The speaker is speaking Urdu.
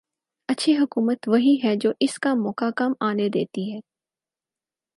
اچھی حکومت وہی ہے جو اس کا موقع کم آنے دیتی ہے۔